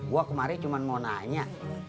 gua kemari cuman mau nanya